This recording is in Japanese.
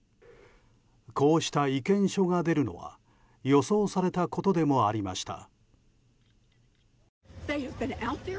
こうした意見書が出るのは予想されたことでもありました。